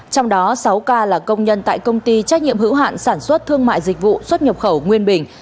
trong đó sáu ca là công nhân tại công ty trách nhiệm hữu hạn sản xuất thương mại dịch vụ xuất nhập khẩu nguyên bình